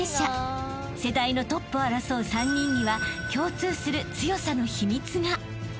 ［世代のトップを争う３人には共通する強さの秘密が］